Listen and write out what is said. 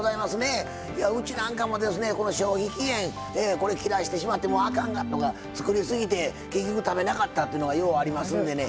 この消費期限これ切らしてしまってもうあかんがとか作りすぎて結局食べなかったっていうのがようありますんでね。